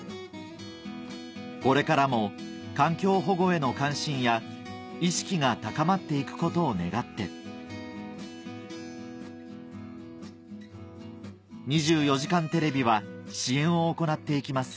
これからも環境保護への関心や意識が高まって行くことを願って『２４時間テレビ』は支援を行っていきます